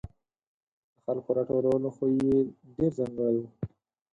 د خلکو راټولولو خوی یې ډېر ځانګړی و.